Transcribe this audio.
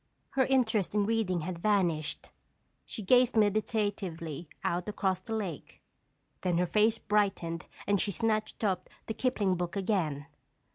Her interest in reading had vanished. She gazed meditatively out across the lake. Then her face brightened and she snatched up the Kipling book again.